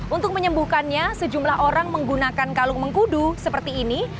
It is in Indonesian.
untuk menyembuhkannya sejumlah orang menggunakan kalung mengkudu seperti ini